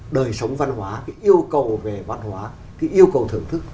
đời sống văn hóa yêu cầu về văn hóa yêu cầu thưởng thức